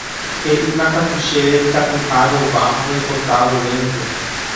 He'ímakatu chéve ikatuha rova roipota vovénte.